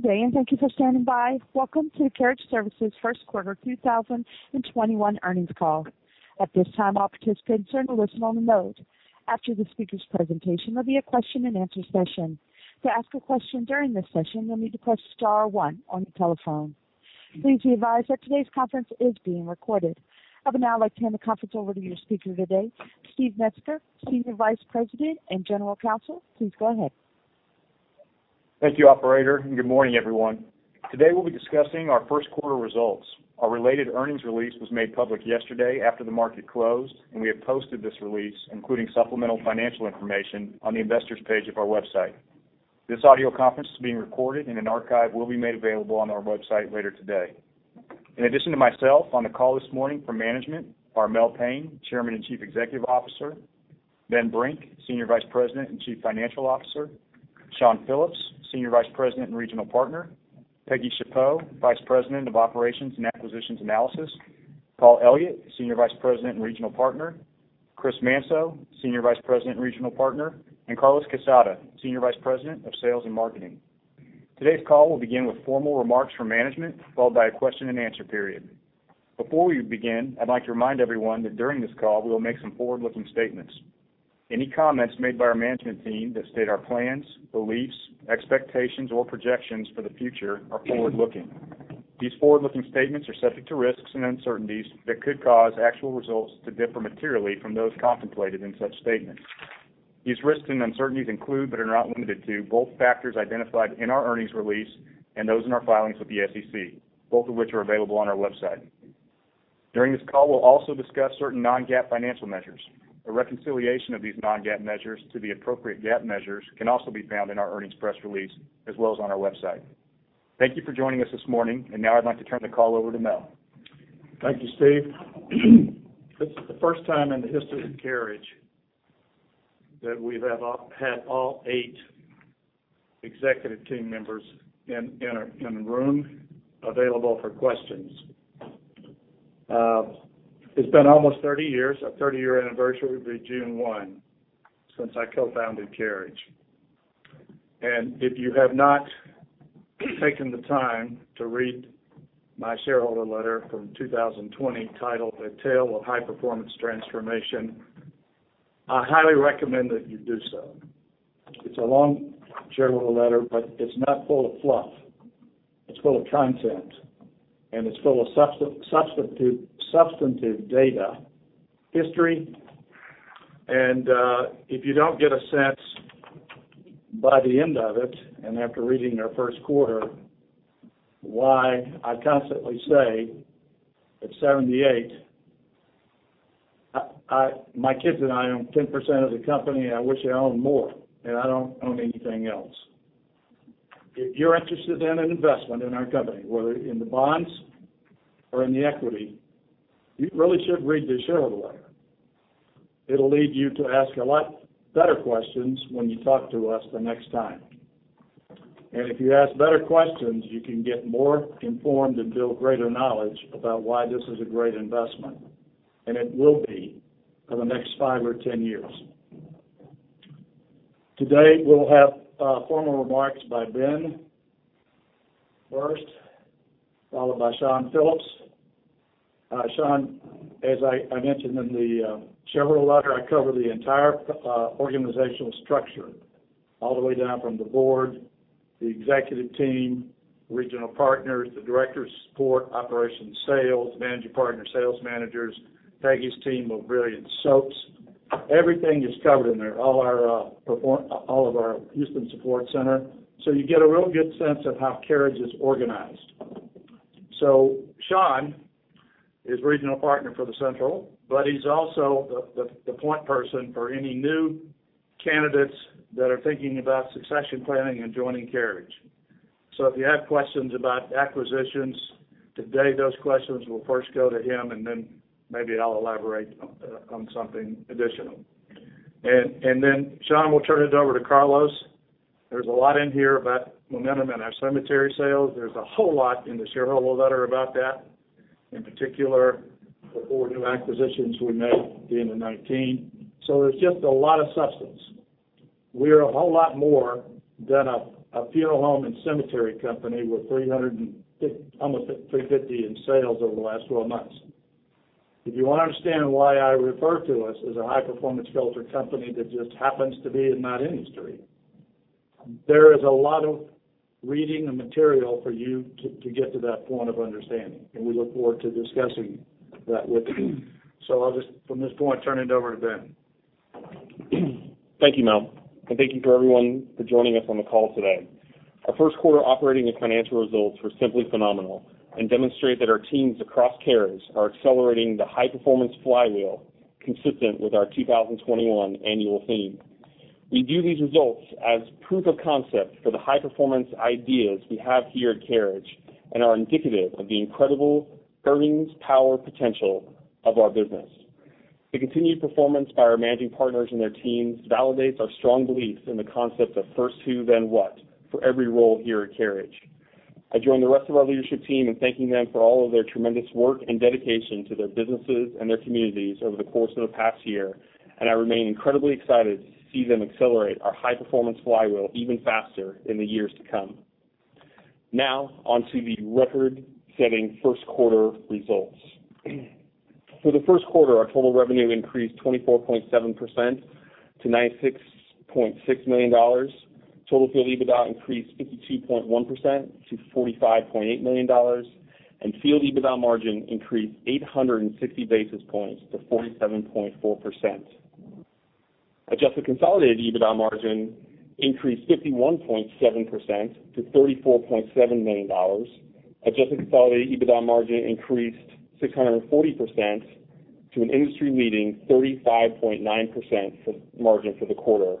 Good day, and thank you for standing by. Welcome to Carriage Services first quarter 2021 earnings call. At this time, all participants are in listen-only mode. After the speaker's presentation, there'll be a question and answer session. To ask a question during this session, you'll need to press star one on your telephone. Please be advised that today's conference is being recorded. I would now like to hand the conference over to your speaker today, Steve Metzger, Senior Vice President and General Counsel. Please go ahead. Thank you, operator, and good morning, everyone. Today, we'll be discussing our first quarter results. Our related earnings release was made public yesterday after the market closed. We have posted this release, including supplemental financial information, on the investors page of our website. This audio conference is being recorded, and an archive will be made available on our website later today. In addition to myself, on the call this morning from management are Mel Payne, Chairman and Chief Executive Officer; Ben Brink, Senior Vice President and Chief Financial Officer; Shawn Phillips, Senior Vice President and Regional Partner; Peggy Schappaugh, Vice President of Operations and Acquisitions Analysis; Paul Elliott, Senior Vice President and Regional Partner; Chris Manceaux, Senior Vice President and Regional Partner; and Carlos Quezada, Senior Vice President of Sales and Marketing. Today's call will begin with formal remarks from management, followed by a question and answer period. Before we begin, I'd like to remind everyone that during this call, we will make some forward-looking statements. Any comments made by our management team that state our plans, beliefs, expectations, or projections for the future are forward-looking. These forward-looking statements are subject to risks and uncertainties that could cause actual results to differ materially from those contemplated in such statements. These risks and uncertainties include, but are not limited to, both factors identified in our earnings release and those in our filings with the SEC, both of which are available on our website. During this call, we'll also discuss certain non-GAAP financial measures. A reconciliation of these non-GAAP measures to the appropriate GAAP measures can also be found in our earnings press release, as well as on our website. Thank you for joining us this morning, and now I'd like to turn the call over to Mel. Thank you, Steve. This is the first time in the history of Carriage that we've had all eight executive team members in a room available for questions. It's been almost 30 years. Our 30-year anniversary will be June 1 since I co-founded Carriage. If you have not taken the time to read my shareholder letter from 2020 titled "A Tale of High Performance Transformation," I highly recommend that you do so. It's a long shareholder letter, but it's not full of fluff. It's full of content, and it's full of substantive data, history. If you don't get a sense by the end of it, and after reading our first quarter, why I constantly say, at 78, my kids and I own 10% of the company, and I wish I owned more, and I don't own anything else. If you're interested in an investment in our company, whether in the bonds or in the equity, you really should read the shareholder letter. It'll lead you to ask a lot better questions when you talk to us the next time. If you ask better questions, you can get more informed and build greater knowledge about why this is a great investment. It will be for the next 5 or 10 years. Today, we'll have formal remarks by Ben first, followed by Shawn Phillips. Shawn, as I mentioned in the shareholder letter, I cover the entire organizational structure all the way down from the Board, the Executive Team, Regional Partners, the Directors of Support, Operations and Sales, Managing Partner, Sales Managers, Peggy's team of brilliant SOPs. Everything is covered in there, all of our Houston Support Center. You get a real good sense of how Carriage is organized. Shawn is regional partner for the Central, but he's also the point person for any new candidates that are thinking about succession planning and joining Carriage. If you have questions about acquisitions today, those questions will first go to him, and then maybe I'll elaborate on something additional. Shawn will turn it over to Carlos. There's a lot in here about momentum in our cemetery sales. There's a whole lot in the shareholder letter about that, in particular, the four new acquisitions we made at the end of 2019. There's just a lot of substance. We are a whole lot more than a funeral home and cemetery company with almost $350 million in sales over the last 12 months. If you want to understand why I refer to us as a high-performance filter company that just happens to be in that industry, there is a lot of reading and material for you to get to that point of understanding, and we look forward to discussing that with you. I'll just, from this point, turn it over to Ben. Thank you, Mel. Thank you for everyone for joining us on the call today. Our first quarter operating and financial results were simply phenomenal and demonstrate that our teams across Carriage are accelerating the high-performance flywheel consistent with our 2021 annual theme. We view these results as proof of concept for the high-performance ideas we have here at Carriage and are indicative of the incredible earnings power potential of our business. The continued performance by our Managing Partners and their teams validates our strong belief in the concept of first who, then what for every role here at Carriage. I join the rest of our leadership team in thanking them for all of their tremendous work and dedication to their businesses and their communities over the course of the past year, and I remain incredibly excited to see them accelerate our high-performance flywheel even faster in the years to come. Onto the record-setting first quarter results. For the first quarter, our total revenue increased 24.7% to $96.6 million. Total field EBITDA increased 52.1% to $45.8 million, field EBITDA margin increased 860 basis points to 47.4%. Adjusted consolidated EBITDA margin increased 51.7% to $34.7 million. Adjusted consolidated EBITDA margin increased 640 basis points to an industry-leading 35.9% margin for the quarter.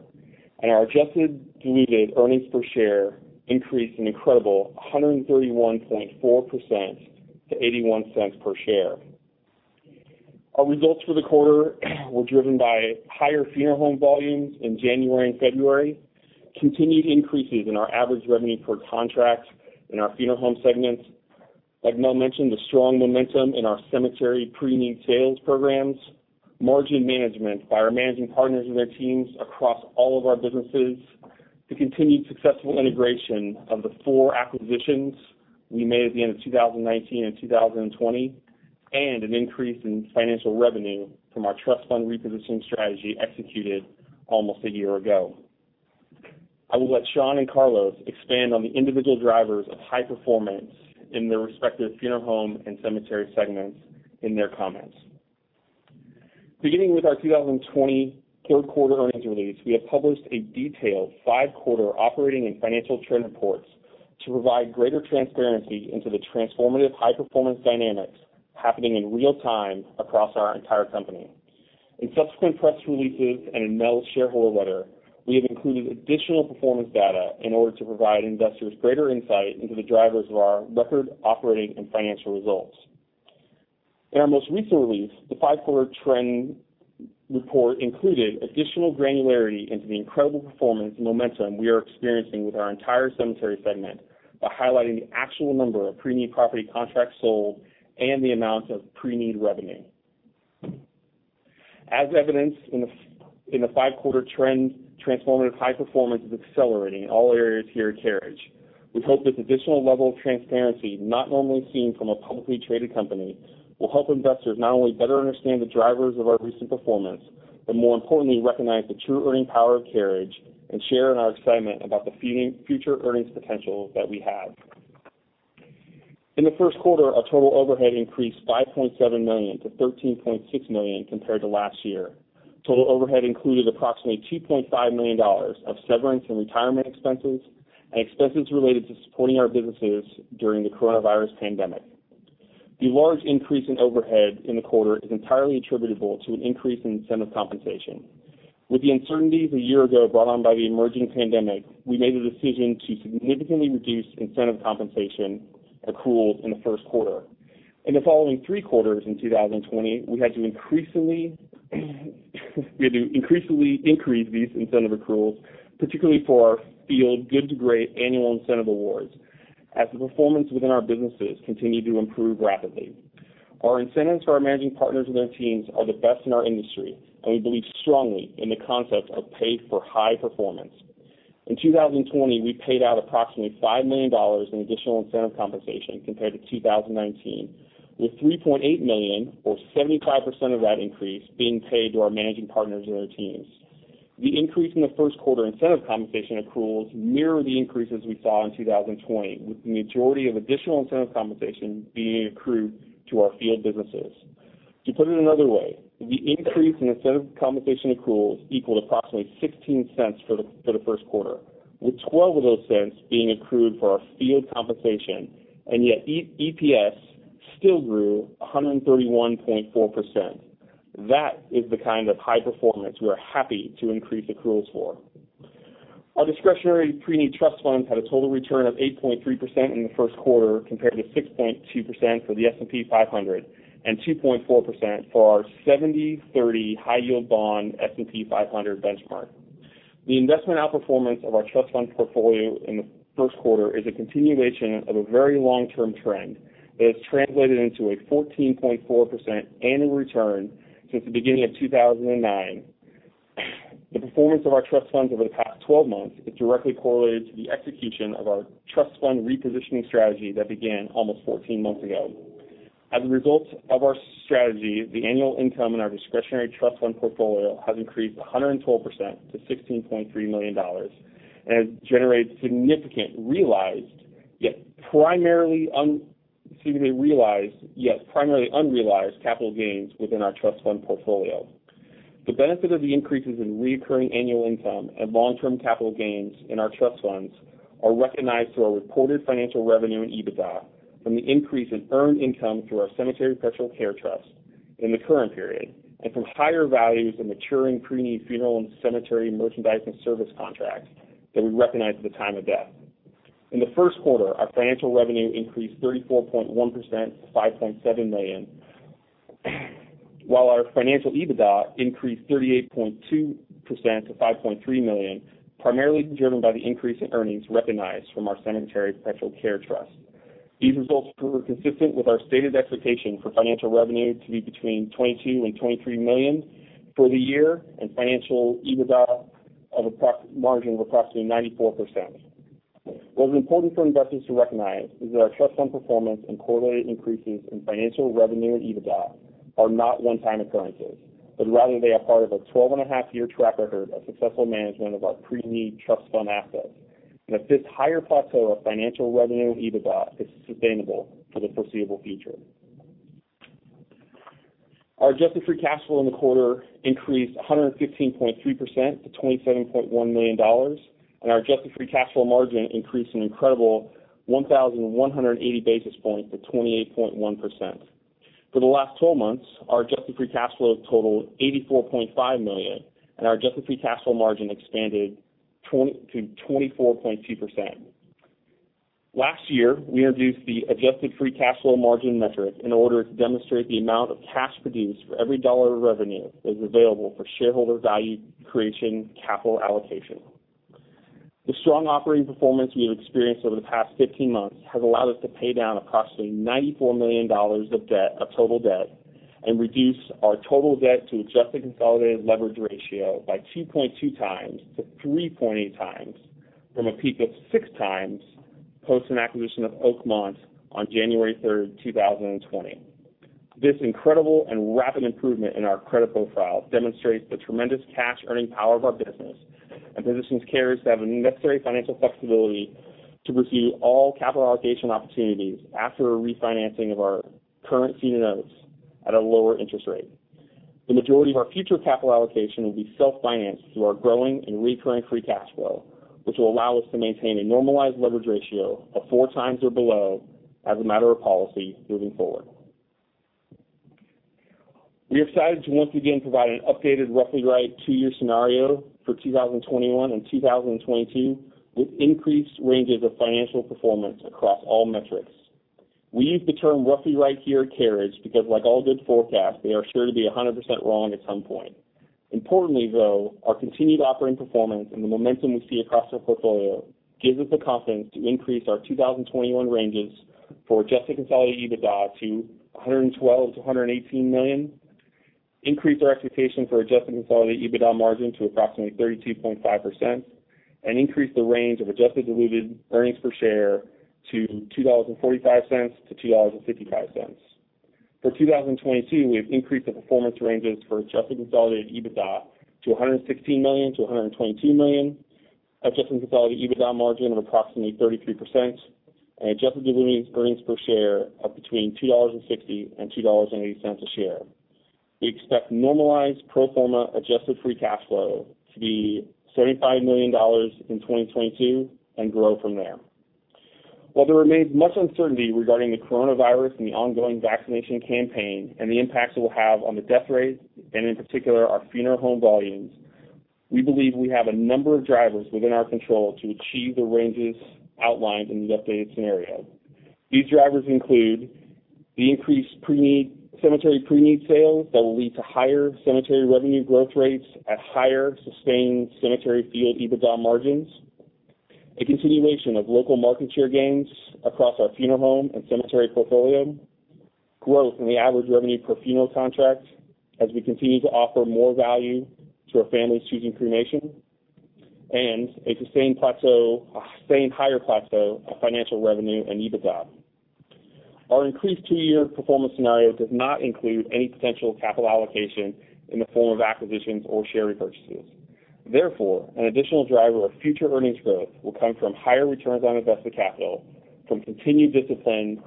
Our adjusted diluted earnings per share increased an incredible 131.4% to $0.81 per share. Our results for the quarter were driven by higher funeral home volumes in January and February, continued increases in our average revenue per contract in our funeral home segments. Like Mel mentioned, the strong momentum in our cemetery preneed sales programs, margin management by our managing partners and their teams across all of our businesses, the continued successful integration of the four acquisitions we made at the end of 2019 and 2020, and an increase in financial revenue from our trust fund repositioning strategy executed almost a year ago. I will let Shawn and Carlos expand on the individual drivers of high performance in their respective funeral home and cemetery segments in their comments. Beginning with our 2020 third-quarter earnings release, we have published a detailed five-quarter operating and financial trend reports to provide greater transparency into the transformative high-performance dynamics happening in real-time across our entire company. In subsequent press releases and in Mel's shareholder letter, we have included additional performance data in order to provide investors greater insight into the drivers of our record operating and financial results. In our most recent release, the five-quarter trend report included additional granularity into the incredible performance and momentum we are experiencing with our entire cemetery segment by highlighting the actual number of preneed property contracts sold and the amount of preneed revenue. As evidenced in the five-quarter trend, transformative high performance is accelerating in all areas here at Carriage. We hope this additional level of transparency, not normally seen from a publicly traded company, will help investors not only better understand the drivers of our recent performance, but more importantly, recognize the true earning power of Carriage and share in our excitement about the future earnings potential that we have. In the first quarter, our total overhead increased $5.7 million to $13.6 million compared to last year. Total overhead included approximately $2.5 million of severance and retirement expenses and expenses related to supporting our businesses during the coronavirus pandemic. The large increase in overhead in the quarter is entirely attributable to an increase in incentive compensation. With the uncertainties a year ago brought on by the emerging pandemic, we made the decision to significantly reduce incentive compensation accruals in the first quarter. In the following three quarters in 2020, we had to increasingly increase these incentive accruals, particularly for our field Good to Great annual incentive awards as the performance within our businesses continued to improve rapidly. Our incentives for our managing partners and their teams are the best in our industry, and we believe strongly in the concept of pay for high performance. In 2020, we paid out approximately $5 million in additional incentive compensation compared to 2019, with $3.8 million or 75% of that increase being paid to our Managing Partners and their teams. The increase in the first quarter incentive compensation accruals mirror the increases we saw in 2020, with the majority of additional incentive compensation being accrued to our field businesses. To put it another way, the increase in incentive compensation accruals equaled approximately $0.16 for the first quarter, with $0.12 of those being accrued for our field compensation, and yet EPS still grew 131.4%. That is the kind of high performance we are happy to increase accruals for. Our discretionary preneed trust funds had a total return of 8.3% in the first quarter, compared to 6.2% for the S&P 500 and 2.4% for our 70/30 high-yield bond S&P 500 benchmark. The investment outperformance of our trust funds portfolio in the first quarter is a continuation of a very long-term trend that has translated into a 14.4% annual return since the beginning of 2009. The performance of our trust funds over the past 12 months is directly correlated to the execution of our trust fund repositioning strategy that began almost 14 months ago. As a result of our strategy, the annual income in our discretionary trust fund portfolio has increased 112% to $16.3 million and has generated significant realized, yet primarily unrealized capital gains within our trust fund portfolio. The benefit of the increases in recurring annual income and long-term capital gains in our trust funds are recognized through our reported financial revenue and EBITDA from the increase in earned income through our cemetery perpetual care trust in the current period and from higher values in maturing preneed funeral and cemetery merchandise and service contracts that we recognize at the time of death. In the first quarter, our financial revenue increased 34.1% to $5.7 million. While our financial EBITDA increased 38.2% to $5.3 million, primarily driven by the increase in earnings recognized from our cemetery perpetual care trust. These results were consistent with our stated expectation for financial revenue to be between $22 million and $23 million for the year in financial EBITDA of a margin of approximately 94%. What is important for investors to recognize is that our trust fund performance and correlated increases in financial revenue and EBITDA are not one-time occurrences, but rather they are part of a 12 and a half year track record of successful management of our preneed trust fund assets, and that this higher plateau of financial revenue and EBITDA is sustainable for the foreseeable future. Our adjusted free cash flow in the quarter increased 115.3% to $27.1 million, and our adjusted free cash flow margin increased an incredible 1,180 basis points to 28.1%. For the last 12 months, our adjusted free cash flow totaled $84.5 million, and our adjusted free cash flow margin expanded to 24.2%. Last year, we introduced the adjusted free cash flow margin metric in order to demonstrate the amount of cash produced for every dollar of revenue that is available for shareholder value creation capital allocation. The strong operating performance we have experienced over the past 15 months has allowed us to pay down approximately $94 million of total debt and reduce our total debt to adjusted consolidated leverage ratio by 2.2 times to 3.8 times from a peak of six times post an acquisition of Oakmont on January 3rd, 2020. This incredible and rapid improvement in our credit profile demonstrates the tremendous cash earning power of our business and positions Carriage to have the necessary financial flexibility to pursue all capital allocation opportunities after a refinancing of our current senior notes at a lower interest rate. The majority of our future capital allocation will be self-financed through our growing and recurring free cash flow, which will allow us to maintain a normalized leverage ratio of four times or below as a matter of policy moving forward. We are excited to once again provide an updated roughly right two-year scenario for 2021 and 2022 with increased ranges of financial performance across all metrics. We use the term roughly right here at Carriage because like all good forecasts, they are sure to be 100% wrong at some point. Importantly, though, our continued operating performance and the momentum we see across our portfolio gives us the confidence to increase our 2021 ranges for adjusted consolidated EBITDA to $112 million-$118 million, increase our expectation for adjusted consolidated EBITDA margin to approximately 32.5%, and increase the range of adjusted diluted earnings per share to $2.45-$2.65. For 2022, we have increased the performance ranges for adjusted consolidated EBITDA to $116 million-$122 million, adjusted consolidated EBITDA margin of approximately 33%, and adjusted diluted earnings per share of between $2.60 and $2.80 a share. We expect normalized pro forma adjusted free cash flow to be $75 million in 2022 and grow from there. While there remains much uncertainty regarding the coronavirus and the ongoing vaccination campaign and the impacts it will have on the death rate, and in particular, our funeral home volumes, we believe we have a number of drivers within our control to achieve the ranges outlined in the updated scenario. These drivers include the increased cemetery preneed sales that will lead to higher cemetery revenue growth rates at higher sustained cemetery field EBITDA margins, a continuation of local market share gains across our funeral home and cemetery portfolio, growth in the average revenue per funeral contract as we continue to offer more value to our families choosing cremation, and a sustained higher plateau of financial revenue and EBITDA. Our increased two-year performance scenario does not include any potential capital allocation in the form of acquisitions or share repurchases. Therefore, an additional driver of future earnings growth will come from higher returns on invested capital from continued disciplined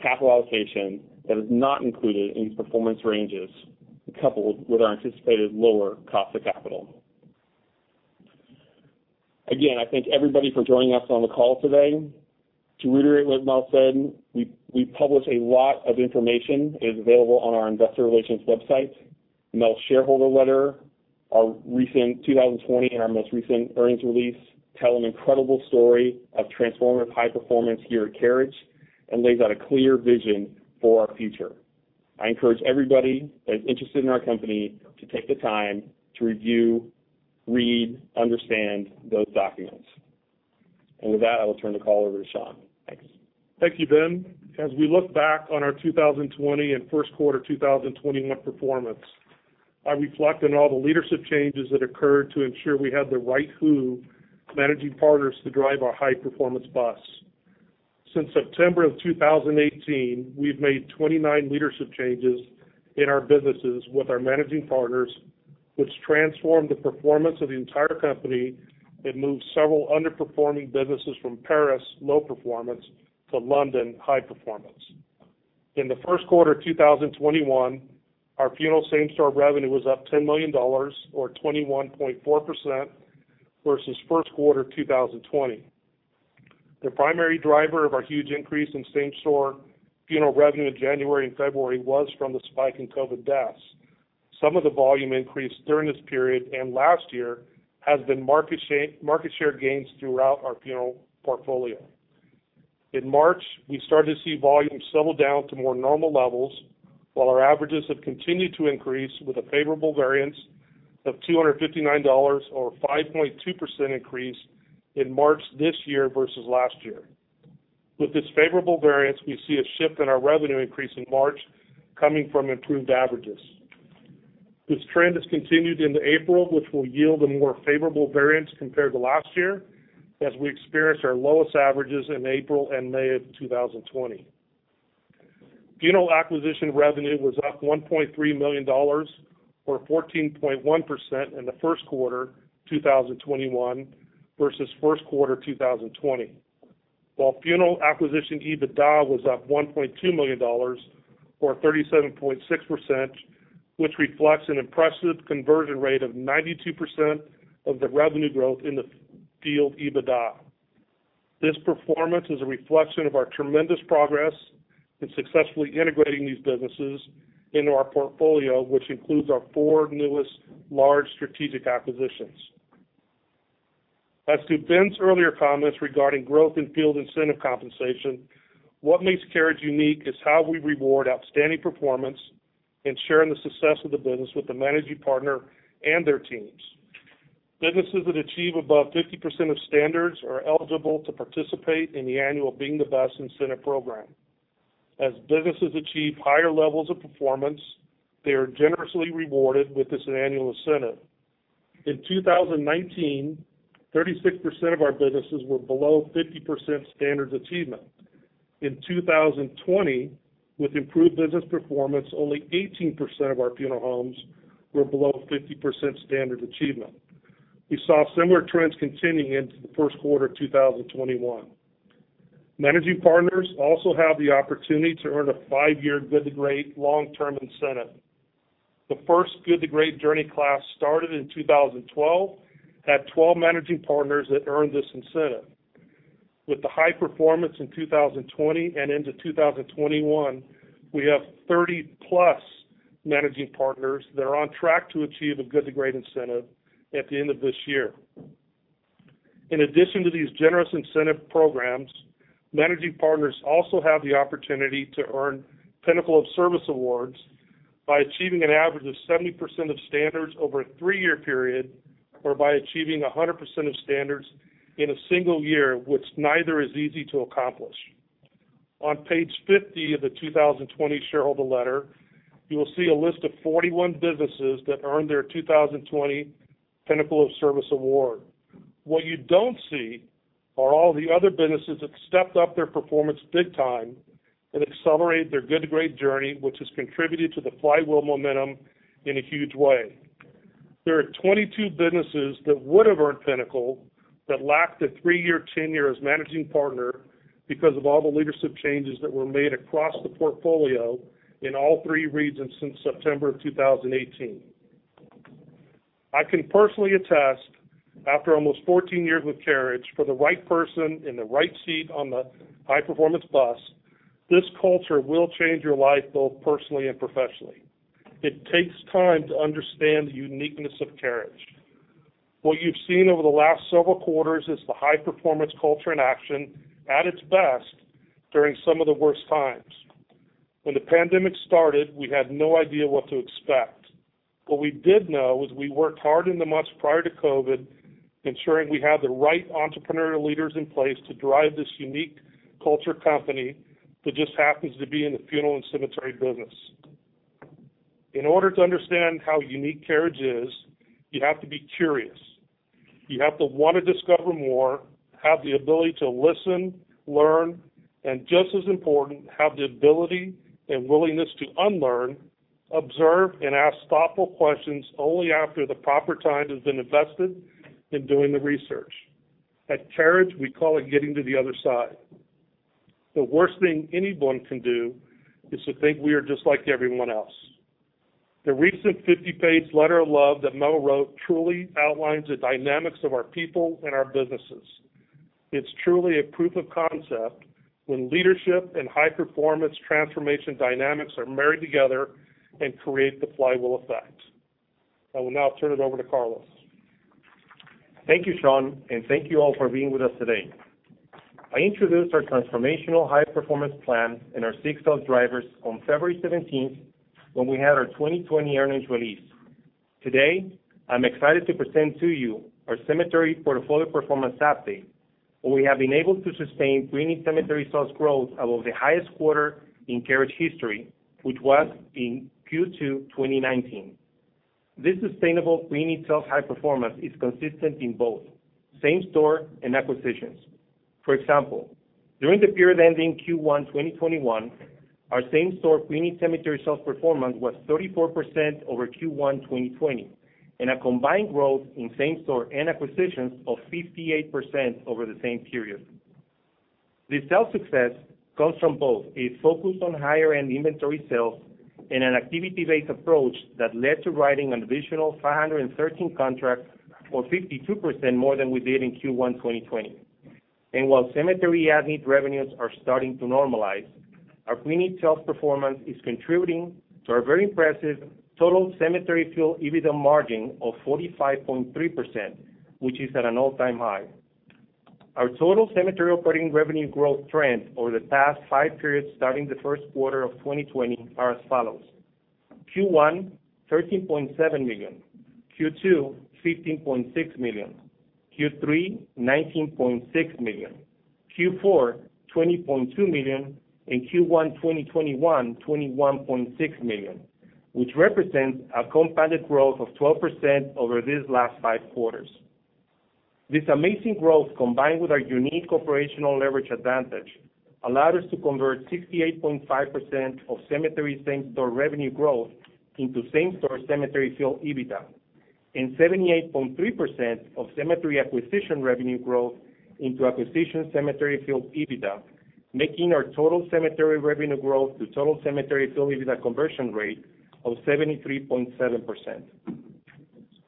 capital allocation that is not included in these performance ranges, coupled with our anticipated lower cost of capital. Again, I thank everybody for joining us on the call today. To reiterate what Mel said, we publish a lot of information that is available on our investor relations website. Mel's shareholder letter, our recent 2020, and our most recent earnings release tell an incredible story of transformative high performance here at Carriage Services and lays out a clear vision for our future. I encourage everybody that is interested in our company to take the time to review, read, understand those documents. With that, I will turn the call over to Shawn. Thanks. Thank you, Ben. As we look back on our 2020 and first quarter 2021 performance, I reflect on all the leadership changes that occurred to ensure we had the right managing partners to drive our high-performance bus. Since September of 2018, we've made 29 leadership changes in our businesses with our managing partners, which transformed the performance of the entire company and moved several underperforming businesses from Paris, low performance, to London, high performance. In the first quarter of 2021, our funeral same-store revenue was up $10 million, or 21.4%, versus first quarter 2020. The primary driver of our huge increase in same-store funeral revenue in January and February was from the spike in COVID deaths. Some of the volume increase during this period and last year has been market share gains throughout our funeral portfolio. In March, we started to see volumes settle down to more normal levels, while our averages have continued to increase with a favorable variance of $259 or 5.2% increase in March this year versus last year. With this favorable variance, we see a shift in our revenue increase in March coming from improved averages. This trend has continued into April, which will yield a more favorable variance compared to last year, as we experienced our lowest averages in April and May of 2020. Funeral acquisition revenue was up $1.3 million or 14.1% in the first quarter 2021 versus first quarter 2020. While funeral acquisition EBITDA was up $1.3 million or 37.6%, which reflects an impressive conversion rate of 92% of the revenue growth in the field EBITDA. This performance is a reflection of our tremendous progress in successfully integrating these businesses into our portfolio, which includes our four newest large strategic acquisitions. As to Ben's earlier comments regarding growth and field incentive compensation, what makes Carriage unique is how we reward outstanding performance and sharing the success of the business with the managing partner and their teams. Businesses that achieve above 50% of standards are eligible to participate in the annual Being the Best Incentive Program. As businesses achieve higher levels of performance, they are generously rewarded with this annual incentive. In 2019, 36% of our businesses were below 50% standards achievement. In 2020, with improved business performance, only 18% of our funeral homes were below 50% standard achievement. We saw similar trends continuing into the first quarter of 2021. Managing Partners also have the opportunity to earn a five-year Good to Great long-term incentive. The first Good to Great journey class started in 2012, had 12 managing partners that earned this incentive. With the high performance in 2020 and into 2021, we have 30+ managing partners that are on track to achieve a Good to Great incentive at the end of this year. In addition to these generous incentive programs, managing partners also have the opportunity to earn Pinnacle of Service awards by achieving an average of 70% of standards over a three-year period or by achieving 100% of standards in a single year, which neither is easy to accomplish. On page 50 of the 2020 shareholder letter, you will see a list of 41 businesses that earned their 2020 Pinnacle of Service award. What you don't see are all the other businesses that stepped up their performance big time and accelerated their Good to Great journey, which has contributed to the flywheel momentum in a huge way. There are 22 businesses that would have earned Pinnacle that lacked a three-year tenure as managing partner because of all the leadership changes that were made across the portfolio in all three regions since September of 2018. I can personally attest after almost 14 years with Carriage, for the right person in the right seat on the high-performance bus, this culture will change your life both personally and professionally. It takes time to understand the uniqueness of Carriage. What you've seen over the last several quarters is the high-performance culture in action at its best during some of the worst times. When the pandemic started, we had no idea what to expect. What we did know was we worked hard in the months prior to COVID, ensuring we had the right entrepreneurial leaders in place to drive this unique culture company that just happens to be in the funeral and cemetery business. In order to understand how unique Carriage is, you have to be curious. You have to want to discover more, have the ability to listen, learn, and just as important, have the ability and willingness to unlearn, observe, and ask thoughtful questions only after the proper time has been invested in doing the research. At Carriage, we call it getting to the other side. The worst thing anyone can do is to think we are just like everyone else. The recent 50-page letter of love that Mel wrote truly outlines the dynamics of our people and our businesses. It's truly a proof of concept when leadership and high-performance transformation dynamics are married together and create the flywheel effect. I will now turn it over to Carlos. Thank you, Shawn, and thank you all for being with us today. I introduced our transformational high-performance plan and our six sales drivers on February 17th when we had our 2020 earnings release. Today, I'm excited to present to you our cemetery portfolio performance update, where we have been able to sustain preneed cemetery sales growth above the highest quarter in Carriage history, which was in Q2 2019. This sustainable preneed sales high performance is consistent in both same-store and acquisitions. For example, during the period ending Q1 2021, our same-store preneed cemetery sales performance was 34% over Q1 2020, and a combined growth in same-store and acquisitions of 58% over the same period. This sales success comes from both a focus on higher-end inventory sales and an activity-based approach that led to writing an additional 513 contracts or 52% more than we did in Q1 2020. While cemetery at-need revenues are starting to normalize. Our preneed sales performance is contributing to our very impressive total cemetery field EBITDA margin of 45.3%, which is at an all-time high. Our total cemetery operating revenue growth trend over the past five periods, starting the first quarter of 2020, are as follows. Q1, $13.7 million. Q2, $15.6 million. Q3, $19.6 million. Q4, $20.2 million. Q1 2021, $21.6 million, which represents a compounded growth of 12% over these last five quarters. This amazing growth, combined with our unique operational leverage advantage, allowed us to convert 68.5% of cemetery same-store revenue growth into same-store cemetery field EBITDA, and 78.3% of cemetery acquisition revenue growth into acquisition cemetery field EBITDA, making our total cemetery revenue growth to total Cemetery Field EBITDA conversion rate of 73.7%.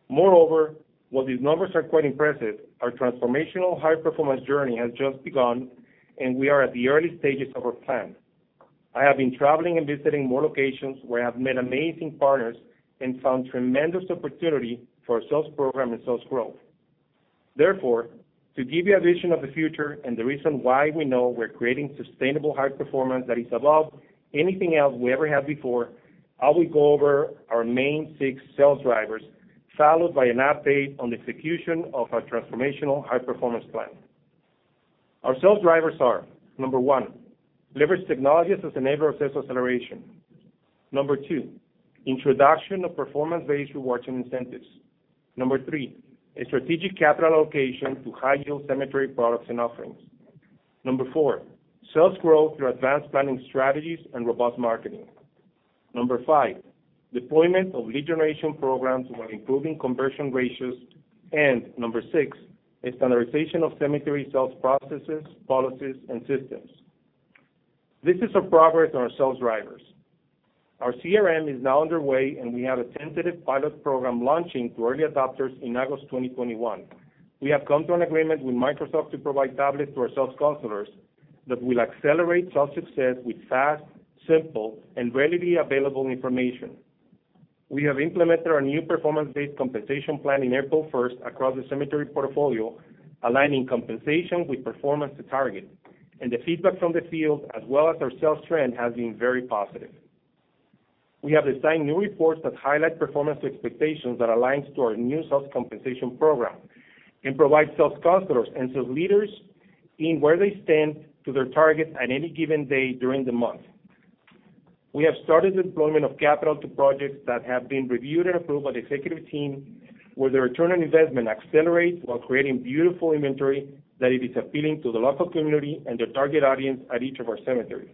Moreover, while these numbers are quite impressive, our transformational high-performance journey has just begun, and we are at the early stages of our plan. I have been traveling and visiting more locations where I've met amazing partners and found tremendous opportunity for our sales program and sales growth. Therefore, to give you a vision of the future and the reason why we know we're creating sustainable high performance that is above anything else we ever had before, I will go over our main six sales drivers, followed by an update on the execution of our transformational high-performance plan. Our sales drivers are, number one, leverage technologies as an enabler of sales acceleration. Number two, introduction of performance-based rewards and incentives. Number three, a strategic capital allocation to high-yield cemetery products and offerings. Number four, sales growth through advanced planning strategies and robust marketing. Number five, deployment of lead generation programs while improving conversion ratios. Number six, a standardization of cemetery sales processes, policies, and systems. This is our progress on our sales drivers. Our CRM is now underway, and we have a tentative pilot program launching to early adopters in August 2021. We have come to an agreement with Microsoft to provide tablets to our sales counselors that will accelerate sales success with fast, simple, and readily available information. We have implemented our new performance-based compensation plan in April 1st across the cemetery portfolio, aligning compensation with performance to target. The feedback from the field, as well as our sales trend, has been very positive. We have designed new reports that highlight performance expectations that aligns to our new sales compensation program and provide sales counselors and sales leaders in where they stand to their targets at any given day during the month. We have started the deployment of capital to projects that have been reviewed and approved by the executive team, where the return on investment accelerates while creating beautiful inventory that it is appealing to the local community and their target audience at each of our cemeteries.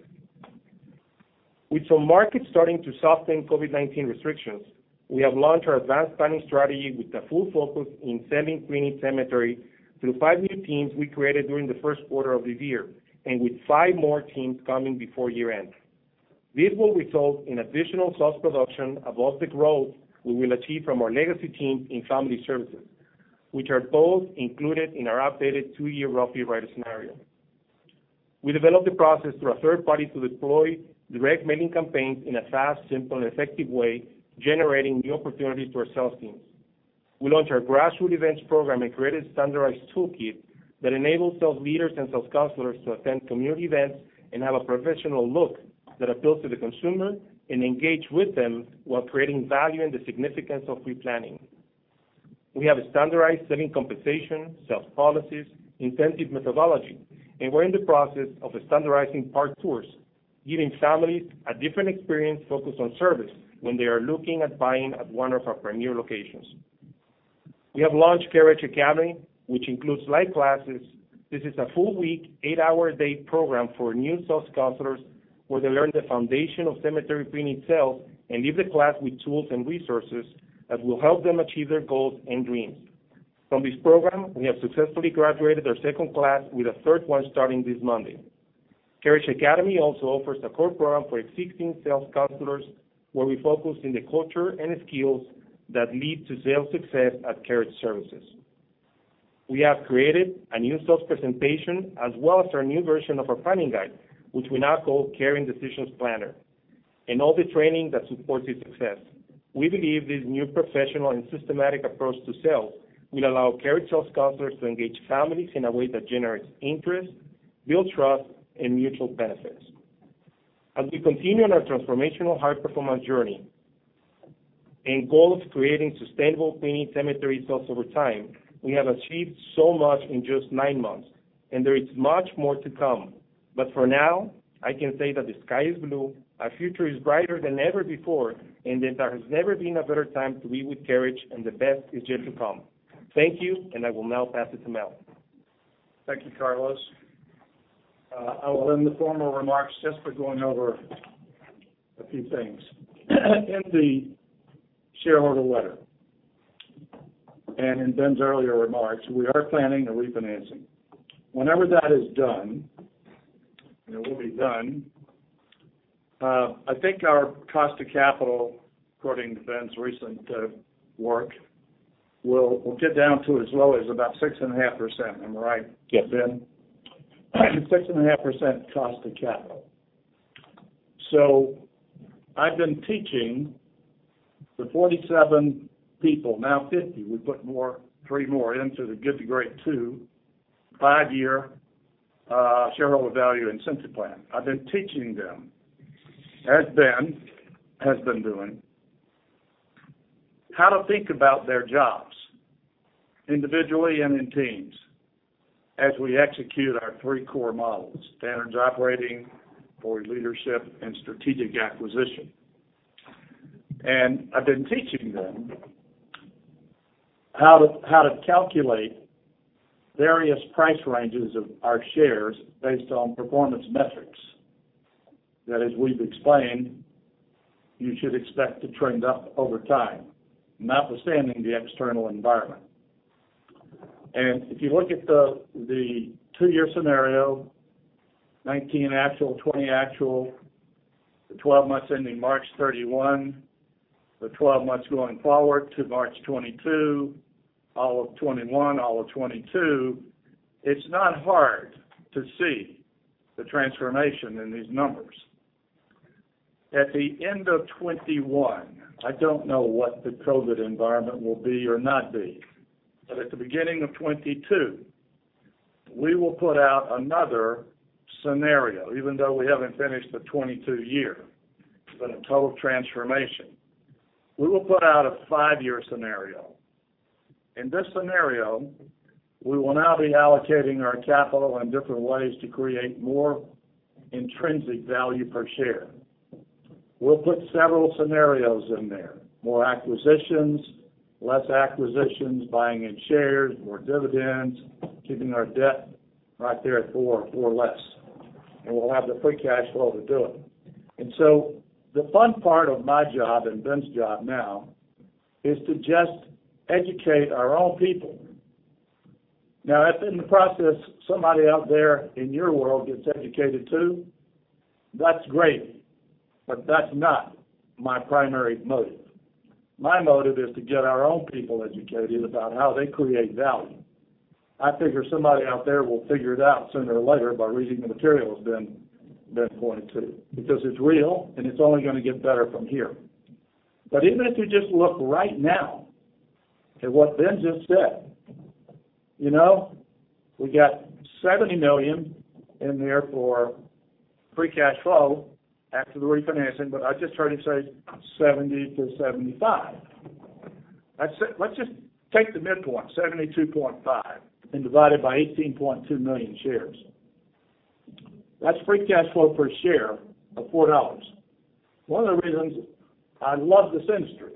With some markets starting to soften COVID-19 restrictions, we have launched our advanced planning strategy with the full focus in selling preneed cemetery through five new teams we created during the first quarter of this year, and with five more teams coming before year-end. This will result in additional sales production above the growth we will achieve from our legacy teams in family services, which are both included in our updated two-year scenario. We developed the process through a third party to deploy direct mailing campaigns in a fast, simple, and effective way, generating new opportunities for our sales teams. We launched our grassroots events program and created a standardized toolkit that enables sales leaders and sales counselors to attend community events and have a professional look that appeals to the consumer and engage with them while creating value in the significance of preplanning. We have a standardized selling compensation, sales policies, incentive methodology, and we're in the process of standardizing park tours, giving families a different experience focused on service when they are looking at buying at one of our premier locations. We have launched Carriage Academy, which includes live classes. This is a full-week, eight-hour-a-day program for new sales counselors, where they learn the foundation of cemetery preneed sales and leave the class with tools and resources that will help them achieve their goals and dreams. From this program, we have successfully graduated our second class with a third one starting this Monday. Carriage Academy also offers a core program for existing sales counselors, where we focus on the culture and skills that lead to sales success at Carriage Services. We have created a new sales presentation as well as our new version of our planning guide, which we now call Caring Decisions Planner, and all the training that supports its success. We believe this new professional and systematic approach to sales will allow Carriage sales counselors to engage families in a way that generates interest, builds trust, and mutual benefits. As we continue on our transformational high-performance journey and goal of creating sustainable preneed cemetery sales over time, we have achieved so much in just nine months, and there is much more to come. For now, I can say that the sky is blue, our future is brighter than ever before, and that there has never been a better time to be with Carriage, and the best is yet to come. Thank you. I will now pass it to Mel Payne. Thank you, Carlos. I will end the formal remarks just by going over a few things. In the shareholder letter and in Ben's earlier remarks, we are planning a refinancing. Whenever that is done, and it will be done, I think our cost of capital, according to Ben's recent work. We'll get down to as low as about 6.5%, am I right? Yes, Ben. 6.5% cost of capital. I've been teaching the 47 people, now 50, we put three more into the Good to Great 2 five-year shareholder value incentive plan. I've been teaching them, as Ben has been doing, how to think about their jobs individually and in teams as we execute our three core models: Standards Council, board leadership, and strategic acquisition. And I've been teaching them how to calculate various price ranges of our shares based on performance metrics. That as we've explained, you should expect to trend up over time, notwithstanding the external environment. If you look at the two-year scenario, 2019 actual, 2020 actual, the 12 months ending March 31, the 12 months going forward to March 2022, all of 2021, all of 2022, it's not hard to see the transformation in these numbers. At the end of 2021, I don't know what the COVID environment will be or not be. At the beginning of 2022, we will put out another scenario, even though we haven't finished the 2022 year, but a total transformation. We will put out a five-year scenario. In this scenario, we will now be allocating our capital in different ways to create more intrinsic value per share. We'll put several scenarios in there. More acquisitions, less acquisitions, buying in shares, more dividends, keeping our debt right there at four or less, and we'll have the free cash flow to do it. The fun part of my job and Ben's job now is to just educate our own people. Now, if in the process, somebody out there in your world gets educated too, that's great, but that's not my primary motive. My motive is to get our own people educated about how they create value. I figure somebody out there will figure it out sooner or later by reading the materials Ben pointed to, because it's real, and it's only going to get better from here. Even if you just look right now at what Ben just said, we got $70 million in there for free cash flow after the refinancing, but I just heard him say $70-$75. Let's just take the midpoint, 72.5, and divide it by 18.2 million shares. That's free cash flow per share of $4. One of the reasons I love this industry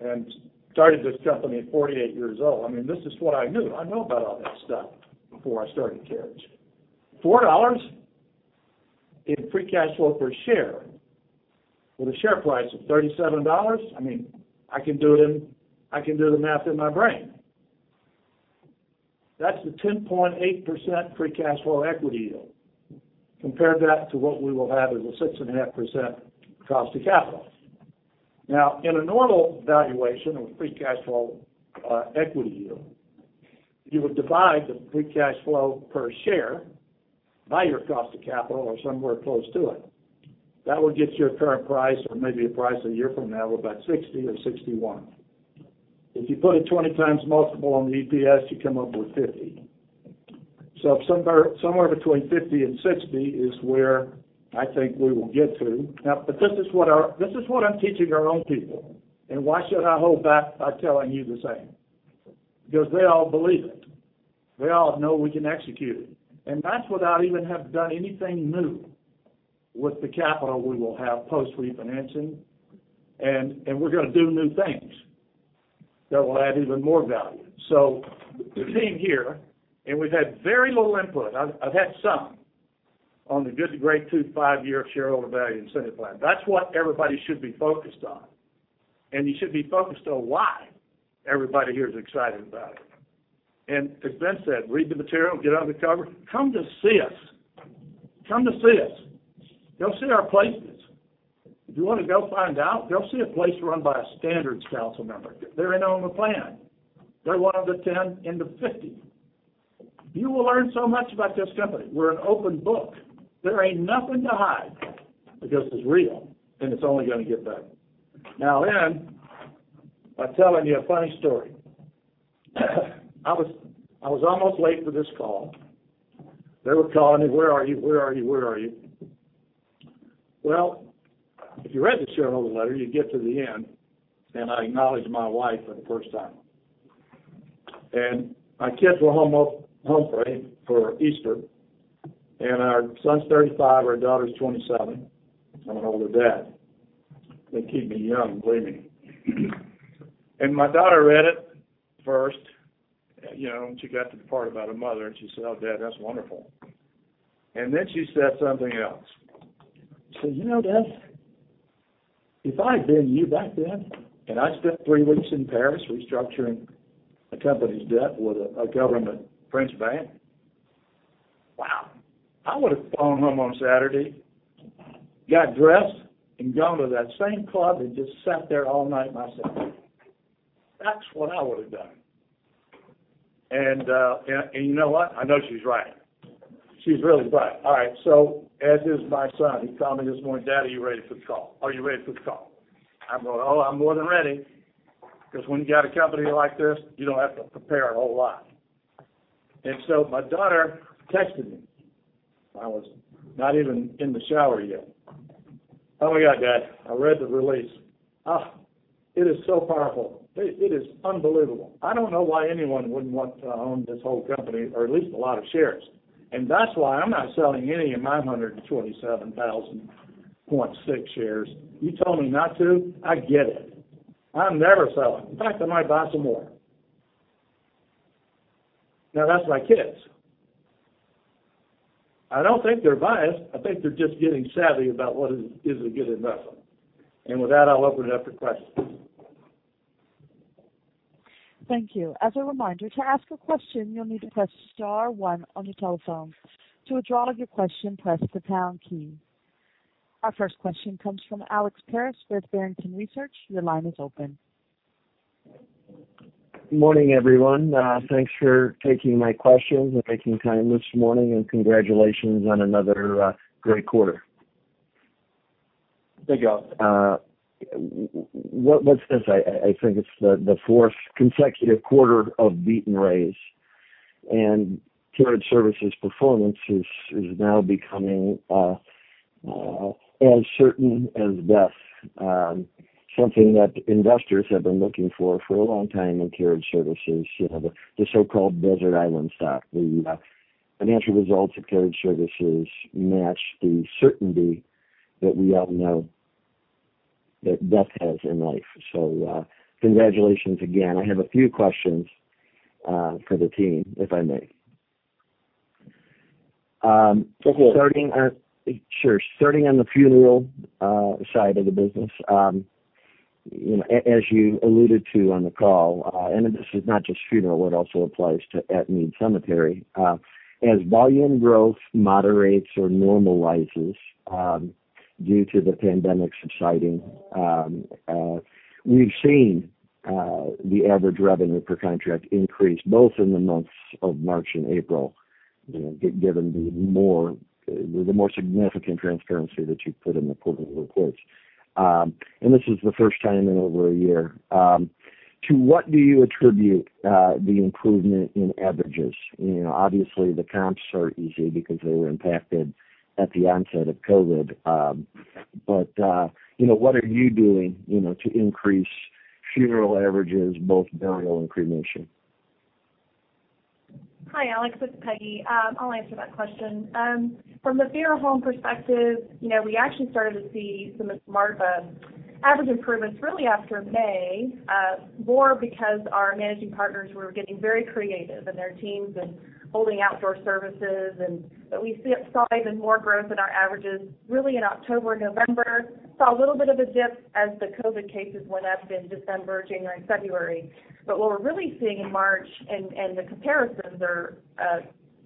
and started this company at 48 years old, I mean, this is what I knew. I know about all that stuff before I started Carriage. $4 in free cash flow per share with a share price of $37, I mean, I can do the math in my brain. That's the 10.8% free cash flow equity yield. Compare that to what we will have as a 6.5% cost of capital. Now, in a normal valuation of free cash flow equity yield, you would divide the free cash flow per share by your cost of capital or somewhere close to it. That would get you a current price or maybe a price a year from now of about 60 or 61. If you put a 20x multiple on the EPS, you come up with $50. Somewhere between $50 and $60 is where I think we will get to. Now, this is what I'm teaching our own people, and why should I hold back by telling you the same? They all believe it. They all know we can execute it. That's without even have done anything new with the capital we will have post-refinancing, and we're going to do new things that will add even more value. The team here, and we've had very little input. I've had some on the Good to Great 2 five-year shareholder value incentive plan. That's what everybody should be focused on. You should be focused on why everybody here is excited about it. As Ben said, read the material, get under the cover. Come to see us. Come to see us. Go see our places. If you want to go find out, go see a place run by a Standards Council member. They're in on the plan. They're one of the 10 in the 50. You will learn so much about this company. We're an open book. There ain't nothing to hide because it's real, and it's only going to get better. Now then, I'll tell you a funny story. I was almost late for this call. They were calling me, "Where are you? Where are you? Where are you?" Well, if you read the shareholder letter, you get to the end, and I acknowledge my wife for the first time. My kids were home for Easter, and our son's 35, our daughter's 27. I'm an older dad. They keep me young, believe me. My daughter read it first, and she got to the part about her mother, and she said, "Oh, Dad, that's wonderful." She said something else. She said, "You know, Dad, if I had been you back then, and I spent three weeks in Paris restructuring a company's debt with a government French bank, I would've gone home on Saturday, got dressed, and gone to that same club and just sat there all night myself. That's what I would've done. You know what? I know she's right. She's really bright. All right. As is my son, he called me this morning, "Dad, are you ready for the call? Are you ready for the call?" I'm going, "Oh, I'm more than ready." Because when you got a company like this, you don't have to prepare a whole lot. My daughter texted me. I was not even in the shower yet. "Oh, my God, Dad. I read the release. It is so powerful. It is unbelievable. I don't know why anyone wouldn't want to own this whole company, or at least a lot of shares. That's why I'm not selling any of my 127,000.6 shares. You told me not to. I get it. I'm never selling. In fact, I might buy some more." Now, that's my kids. I don't think they're biased. I think they're just getting savvy about what is a good investment. With that, I'll open it up to questions. Thank you. As a reminder, to ask a question, you'll need to press star one on your telephone. To withdraw your question, press the pound key. Our first question comes from Alex Paris with Barrington Research. Your line is open. Morning, everyone. Thanks for taking my questions and making time this morning. Congratulations on another great quarter. Thank you, Alex. I think it's the fourth consecutive quarter of beaten raise. Carriage Services performance is now becoming as certain as death. Something that investors have been looking for a long time in Carriage Services, the so-called Desert Island stock, the financial results of Carriage Services match the certainty that we all know that death has in life. Congratulations again. I have a few questions for the team, if I may. Go ahead. Sure. Starting on the funeral side of the business, as you alluded to on the call, and this is not just funeral, it also applies to at-need cemetery. As volume growth moderates or normalizes due to the pandemic subsiding, we've seen the average revenue per contract increase both in the months of March and April, given the more significant transparency that you've put in the quarterly reports. This is the first time in over a year. To what do you attribute the improvement in averages? Obviously, the comps are easy because they were impacted at the onset of COVID. What are you doing to increase funeral averages, both burial and cremation? Hi, Alex. It's Peggy. I'll answer that question. From the funeral home perspective, we actually started to see some average improvements really after May, more because our Managing Partners were getting very creative and their teams in holding outdoor services. We saw even more growth in our averages really in October, November. Saw a little bit of a dip as the COVID cases went up in December, January, and February. What we're really seeing in March, and the comparisons are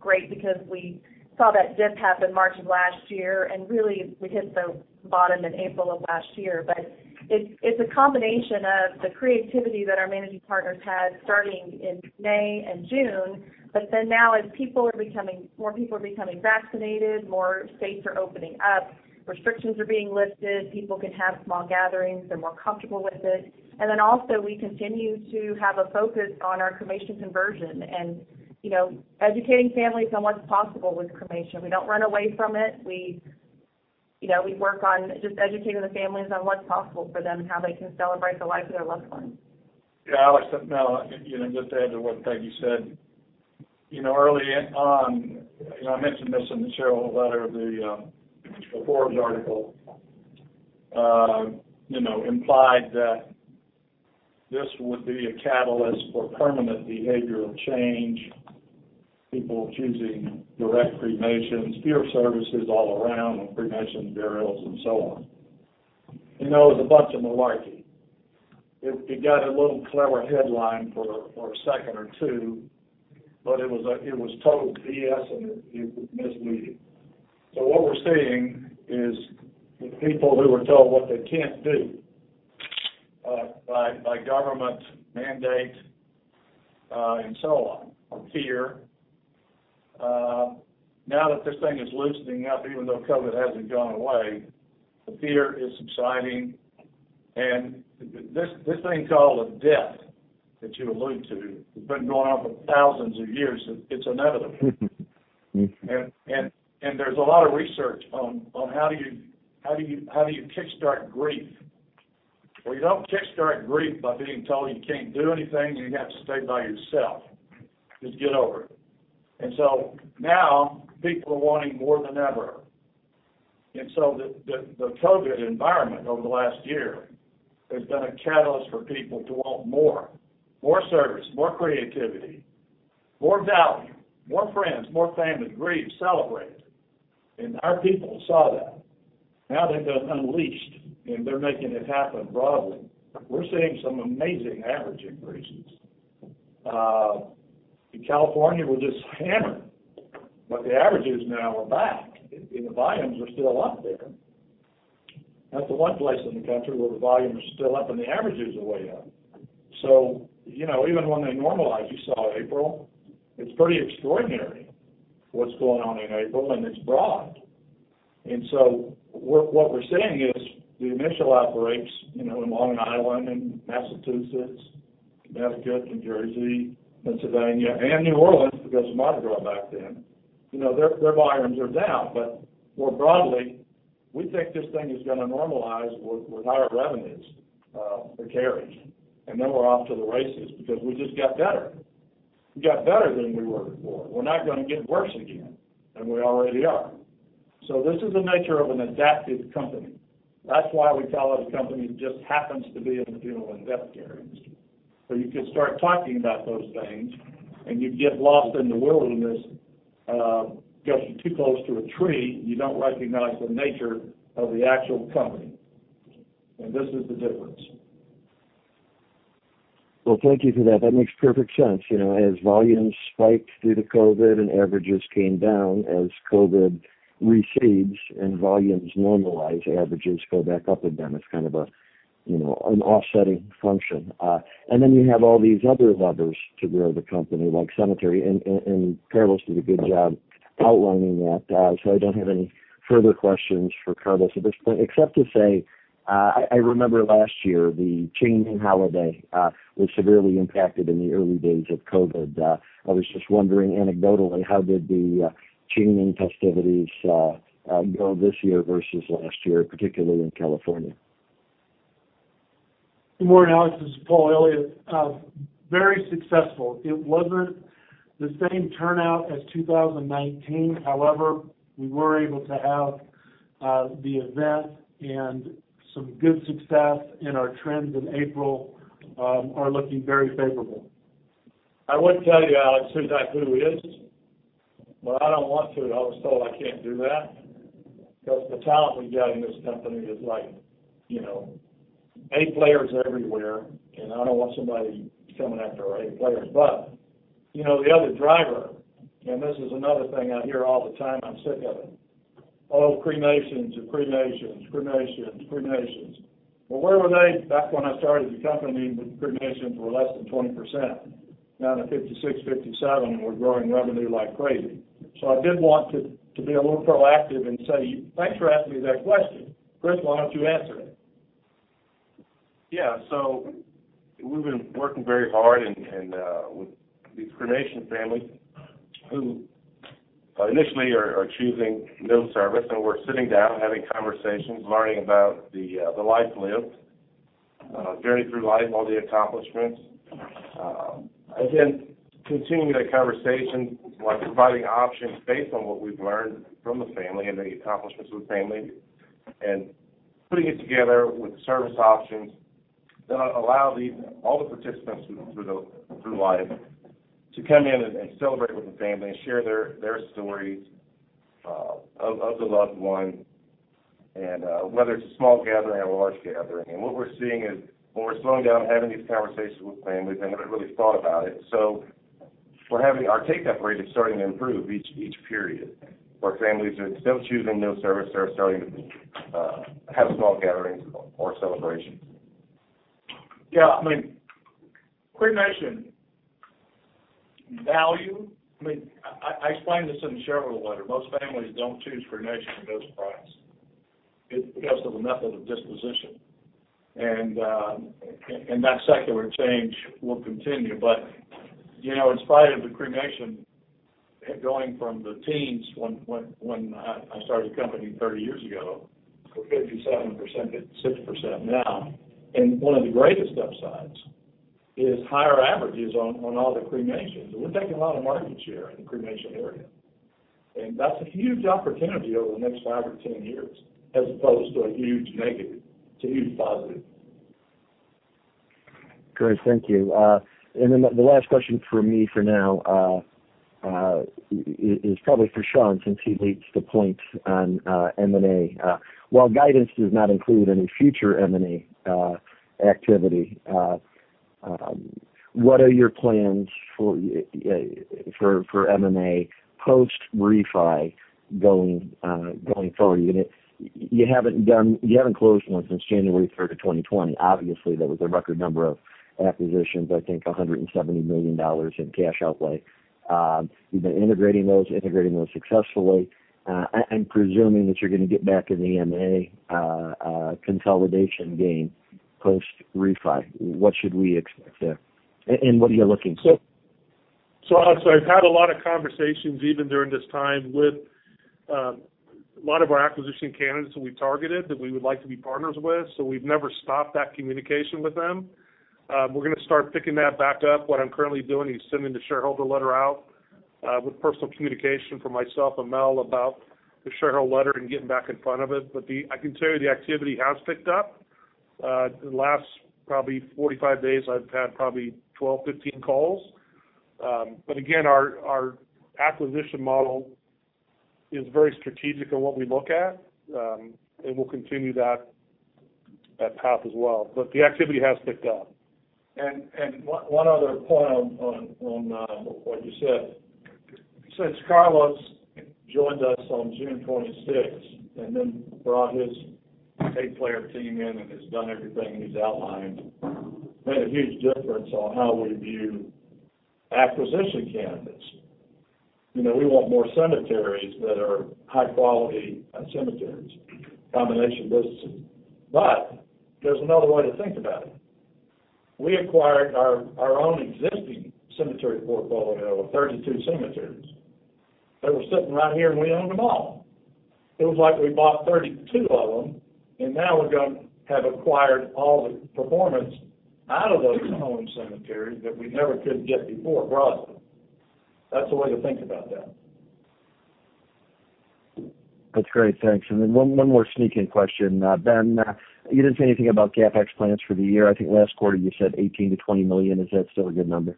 great because we saw that dip happen March of last year, and really we hit the bottom in April of last year. It's a combination of the creativity that our Managing Partners had starting in May and June. Now as more people are becoming vaccinated, more states are opening up, restrictions are being lifted, people can have small gatherings, they're more comfortable with it. Also we continue to have a focus on our cremation conversion, and educating families on what's possible with cremation. We don't run away from it. We work on just educating the families on what's possible for them, how they can celebrate the life of their loved one. Alex, now just to add to what Peggy said. Early on, I mentioned this in the shareholder letter, the Forbes article implied that this would be a catalyst for permanent behavioral change, people choosing direct cremations, funeral services all around with cremations, burials, and so on. It was a bunch of malarkey. It got a little clever headline for a second or two, but it was total BS, and it was misleading. What we're seeing is with people who were told what they can't do by government mandate and so on, or fear. Now that this thing is loosening up, even though COVID hasn't gone away, the fear is subsiding, and this thing called a death that you allude to has been going on for thousands of years. It's inevitable. There's a lot of research on how do you kickstart grief? Well, you don't kickstart grief by being told you can't do anything, and you have to stay by yourself. Just get over it. Now people are wanting more than ever. The COVID environment over the last year has been a catalyst for people to want more, more service, more creativity, more value, more friends, more family, grief celebrated. Our people saw that. Now they've been unleashed, and they're making it happen broadly. We're seeing some amazing average increases in California, we're just hammered. The averages now are back, and the volumes are still up there. That's the one place in the country where the volume is still up and the averages are way up. Even when they normalize, you saw April, it's pretty extraordinary what's going on in April, and it's broad. What we're saying is the initial outbreaks, in Long Island and Massachusetts, Connecticut, New Jersey, Pennsylvania, and New Orleans, because of Mardi Gras back then, their volumes are down. More broadly, we think this thing is going to normalize with higher revenues per carriage. Then we're off to the races because we just got better. We got better than we were before. We're not going to get worse again than we already are. This is the nature of an adaptive company. That's why we call it a company that just happens to be in the funeral and deathcare industry. You could start talking about those things, and you'd get lost in the wilderness, get too close to a tree, and you don't recognize the nature of the actual company. This is the difference. Well, thank you for that. That makes perfect sense. As volumes spiked due to COVID and averages came down, as COVID recedes and volumes normalize, averages go back up again. It's kind of an offsetting function. Then you have all these other levers to grow the company, like cemetery, and Carlos did a good job outlining that. I don't have any further questions for Carlos at this point, except to say, I remember last year, the Ching Ming holiday was severely impacted in the early days of COVID. I was just wondering anecdotally, how did the Ching Ming festivities go this year versus last year, particularly in California? Good morning, Alex. This is Paul Elliott. Very successful. It wasn't the same turnout as 2019. We were able to have the event and some good success, our trends in April are looking very favorable. I would tell you, Alex, who that is, but I don't want to. I was told I can't do that because the talent we've got in this company is like A players everywhere. I don't want somebody coming after our A players. The other driver, this is another thing I hear all the time, I'm sick of it. Oh, cremations and cremations. Where were they back when I started the company when cremations were less than 20%? Now they're 56%, 57%, we're growing revenue like crazy. I did want to be a little proactive and say, thanks for asking me that question. Chris, why don't you answer it? Yeah. We've been working very hard with these cremation families who initially are choosing no service, and we're sitting down, having conversations, learning about the life lived, journey through life, all the accomplishments. Again, continuing that conversation by providing options based on what we've learned from the family and the accomplishments of the family, and putting it together with service options that allow all the participants through life to come in and celebrate with the family and share their stories of the loved one, and whether it's a small gathering or a large gathering. What we're seeing is when we're slowing down and having these conversations with families, they never really thought about it. Our take-up rate is starting to improve each period, where families are instead of choosing no service, they're starting to have small gatherings or celebrations. Yeah, cremation value, I explained this in the shareholder letter. Most families don't choose cremation for this price. It's because of the method of disposition. That secular change will continue. In spite of the cremation going from the teens when I started the company 30 years ago, we're 57%, 60% now. One of the greatest upsides is higher averages on all the cremations. We're taking a lot of market share in the cremation area. That's a huge opportunity over the next five or 10 years, as opposed to a huge negative. It's a huge positive. Great. Thank you. The last question from me for now is probably for Shawn, since he leads the point on M&A. While guidance does not include any future M&A activity, what are your plans for M&A post-refi going forward? You haven't closed one since January 3rd of 2020. Obviously, that was a record number of acquisitions, I think $170 million in cash outlay. You've been integrating those successfully. I'm presuming that you're going to get back in the M&A consolidation game post-refi. What should we expect there? What are you looking for? Alexander Paris, I've had a lot of conversations even during this time with a lot of our acquisition candidates that we targeted that we would like to be partners with. We've never stopped that communication with them. We're going to start picking that back up. What I'm currently doing is sending the shareholder letter out with personal communication from myself and Mel Payne about the shareholder letter and getting back in front of it. I can tell you the activity has picked up. The last probably 45 days, I've had probably 12, 15 calls. Again, our acquisition model is very strategic in what we look at, and we'll continue that path as well. The activity has picked up. One other point on what you said. Since Carlos joined us on June 26th and then brought his A-player team in and has done everything he's outlined, made a huge difference on how we view acquisition candidates. We want more cemeteries that are high-quality cemeteries, combination businesses. There's another way to think about it. We acquired our own existing cemetery portfolio of 32 cemeteries. They were sitting right here, and we owned them all. It was like we bought 32 of them, and now we're going to have acquired all the performance out of those owned cemeteries that we never could get before broadly. That's a way to think about that. That's great. Thanks. One more sneak-in question. Ben, you didn't say anything about CapEx plans for the year. I think last quarter you said $18 million-$20 million. Is that still a good number?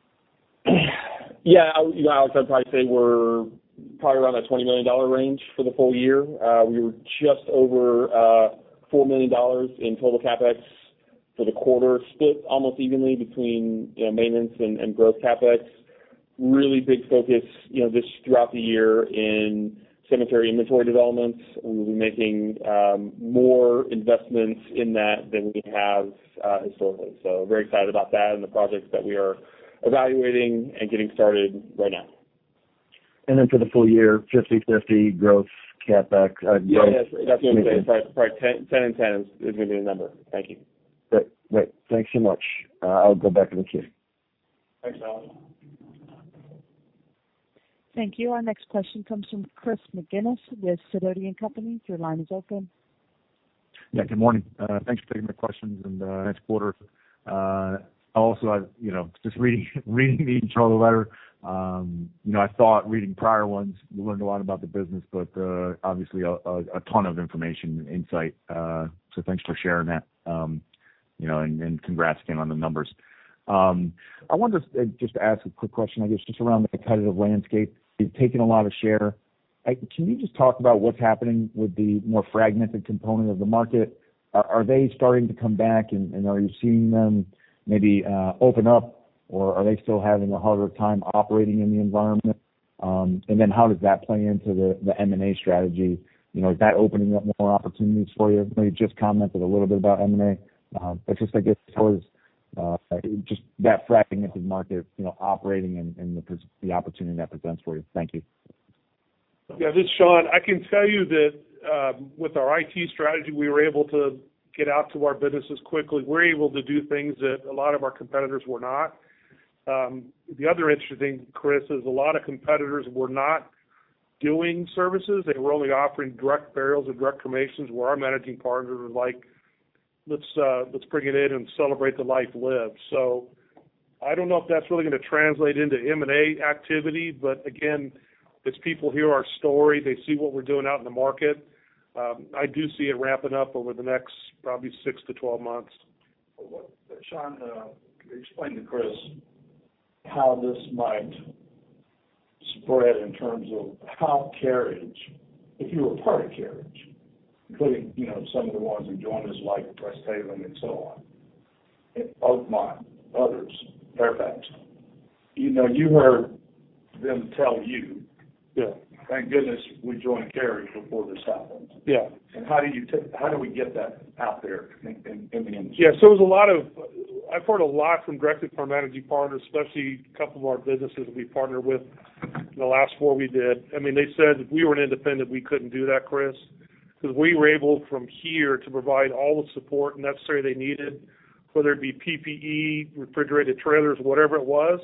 Yeah. Alex, I'd probably say we're probably around that $20 million range for the full year. We were just over $4 million in total CapEx for the quarter, split almost evenly between maintenance and growth CapEx. Really big focus throughout the year in cemetery inventory developments, and we'll be making more investments in that than we have historically. Very excited about that and the projects that we are evaluating and getting started right now. For the full year, 50/50 growth CapEx Yeah. That's what I'm saying. Sorry, 10 and 10 is going to be the number. Thank you. Great. Thanks so much. I'll go back in the queue. Thanks, Alex. Thank you. Our next question comes from Chris McGinnis with Sidoti & Company. Your line is open. Good morning. Thanks for taking my questions in the next quarter. Just reading the intro letter, I thought reading prior ones, we learned a lot about the business, but obviously a ton of information and insight. Thanks for sharing that. Congrats again on the numbers. I wanted just to ask a quick question, I guess, just around the competitive landscape. You've taken a lot of share. Can you just talk about what's happening with the more fragmented component of the market? Are they starting to come back, and are you seeing them maybe open up, or are they still having a harder time operating in the environment? How does that play into the M&A strategy? Is that opening up more opportunities for you? You just commented a little bit about M&A, just I guess as far as just that fragmented market operating and the opportunity that presents for you. Thank you. Yeah, this is Shawn. I can tell you that with our IT strategy, we were able to get out to our businesses quickly. We're able to do things that a lot of our competitors were not. The other interesting, Chris, is a lot of competitors were not doing services. They were only offering direct burials and direct cremations where our managing partners were like, "Let's bring it in and celebrate the life lived." I don't know if that's really going to translate into M&A activity. Again, as people hear our story, they see what we're doing out in the market, I do see it ramping up over the next probably six to 12 months. Shawn, can you explain to Chris how this might spread in terms of how Carriage, if you were part of Carriage, including some of the ones who joined us like Forest Haven and so on, Oakmont, others, Fairfax. You heard them tell you. Yeah Thank goodness we joined Carriage before this happened. Yeah. How do we get that out there in the industry? I've heard a lot from directly from our managing partners, especially a couple of our businesses that we partner with in the last four we did. They said, "If we were an independent, we couldn't do that, Chris." Because we were able from here to provide all the support necessary they needed, whether it be PPE, refrigerated trailers, whatever it was,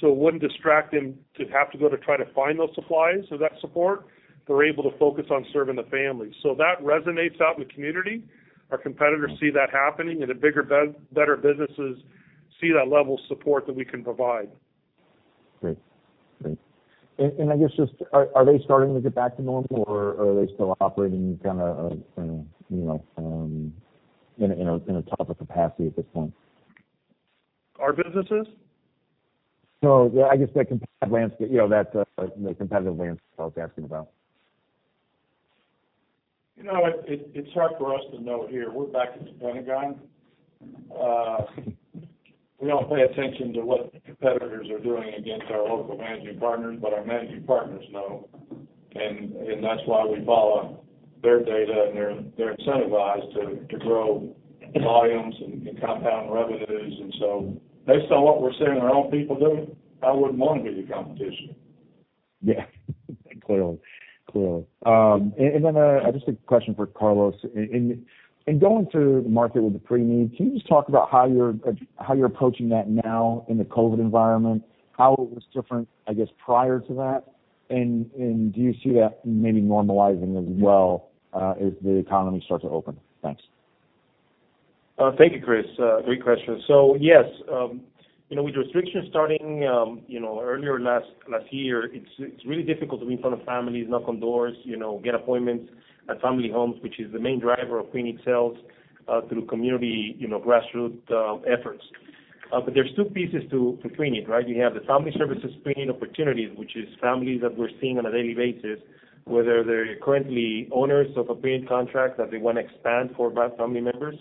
so it wouldn't distract them to have to go to try to find those supplies or that support. They're able to focus on serving the families. That resonates out in the community. Our competitors see that happening, and the bigger, better businesses see that level of support that we can provide. Great. Thanks. I guess just, are they starting to get back to normal or are they still operating kind of in a type of capacity at this point? Our businesses? Yeah, I guess that competitive landscape I was asking about. It's hard for us to know here. We're back in the Pentagon. We don't pay attention to what competitors are doing against our local managing partners, but our managing partners know, and that's why we follow their data, and they're incentivized to grow volumes and compound revenues, and so they saw what we're seeing our own people doing. I wouldn't want to be the competition. Yeah. Clearly. Just a question for Carlos. In going to the market with the pre-need, can you just talk about how you're approaching that now in the COVID environment? How it was different, I guess, prior to that, and do you see that maybe normalizing as well as the economy starts to open? Thanks. Thank you, Chris. Great question. Yes, with restrictions starting earlier last year, it's really difficult to be in front of families, knock on doors, get appointments at family homes, which is the main driver of preneed sales through community grassroots efforts. There's two pieces to preneed. You have the family services preneed opportunities, which is families that we're seeing on a daily basis, whether they're currently owners of a preneed contract that they want to expand for family members,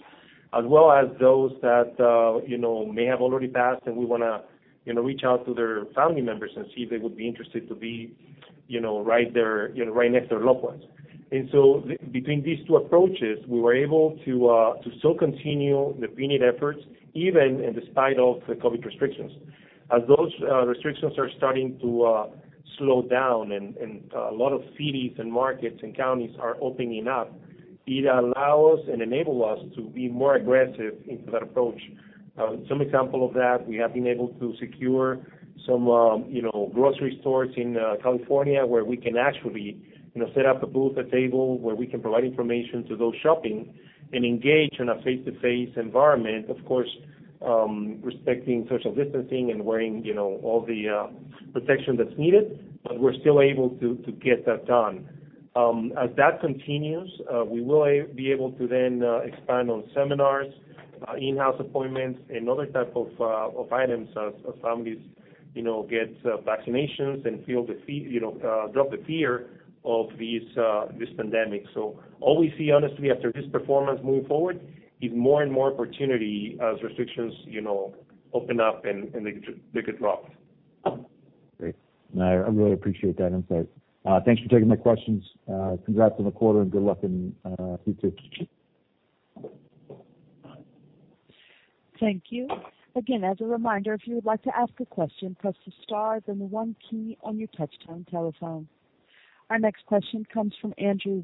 as well as those that may have already passed, and we want to reach out to their family members and see if they would be interested to be right next to their loved ones. Between these two approaches, we were able to still continue the preneed efforts, even in despite of the COVID restrictions. As those restrictions are starting to slow down and a lot of cities and markets and counties are opening up, it allows and enable us to be more aggressive into that approach. Some example of that, we have been able to secure some grocery stores in California where we can actually set up a booth, a table where we can provide information to those shopping and engage in a face-to-face environment. Of course, respecting social distancing and wearing all the protection that's needed, but we're still able to get that done. As that continues, we will be able to then expand on seminars, in-house appointments, and other type of items as families get vaccinations and drop the fear of this pandemic. All we see, honestly, after this performance moving forward, is more and more opportunity as restrictions open up and they get dropped. Great. No, I really appreciate that insight. Thanks for taking my questions. Congrats on the quarter, and good luck in Q2. Thank you. Again, as a reminder, if you would like to ask a question, press the star, then the one key on your touchtone telephone. Our next question comes from Andrew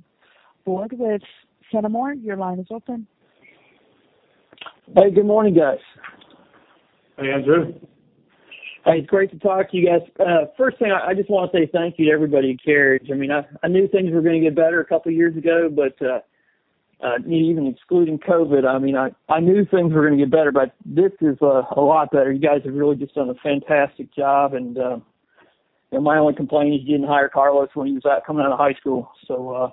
Boord with Fenimore. Your line is open. Hey, good morning, guys. Hey, Andrew. Hey, it's great to talk to you guys. First thing, I just want to say thank you to everybody at Carriage. I knew things were going to get better a couple of years ago, but even excluding COVID, I knew things were going to get better, but this is a lot better. You guys have really just done a fantastic job, and my only complaint is you didn't hire Carlos when he was coming out of high school.